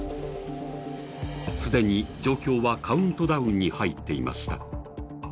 既に状況はカウントダウンに入っていました。